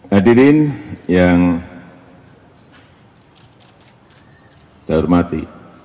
hadirin yang saya hormati